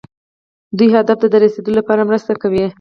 دوی هدف ته د رسیدو لپاره مرسته کوي.